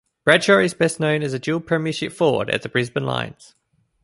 Bradshaw is best known as a dual premiership forward at the Brisbane Lions.